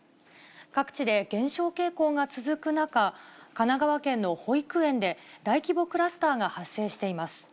各地で減少傾向が続く中、神奈川県の保育園で、大規模クラスターが発生しています。